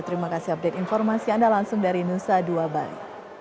terima kasih update informasi anda langsung dari nusa dua bali